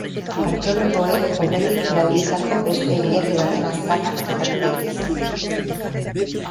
Arkeologoek aurretik erabilitako beste hilerri baten aztarnak topatu dituzte.